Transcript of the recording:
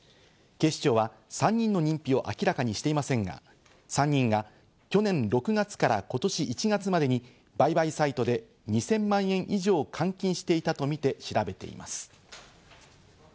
警視庁は３人の認否を明らかにしていませんが、３人が去年６月から今年１月までに売買サイトで２０００万円以上を換金していたとみて調べています。